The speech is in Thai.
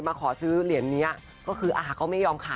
มันเป็นคือใจเรารักเขานะฮะ